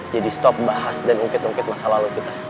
jadi stop bahas dan ungkit ungkit masa lalu kita